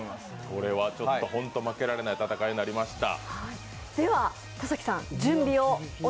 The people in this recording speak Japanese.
これは本当に負けられない戦いになりました。